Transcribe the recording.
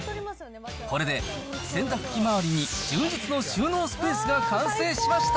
これで洗濯機周りに充実の収納スペースが完成しました。